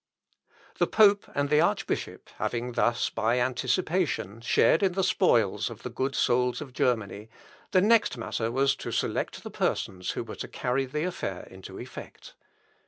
The pope and the archbishop having thus, by anticipation, shared in the spoils of the good souls of Germany, the next matter was to select the persons who were to carry the affair into effect.